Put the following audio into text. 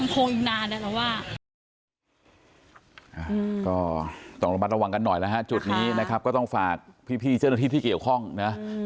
ก็ต้องระมัดระวังกันหน่อยแล้วฮะจุดนี้นะครับก็ต้องฝากพี่เจ้าหน้าที่ที่เกี่ยวข้องนะ